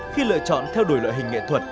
khi lựa chọn theo đuổi loại hình nghệ thuật